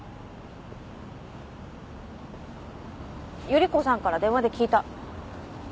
・依子さんから電話で聞いた。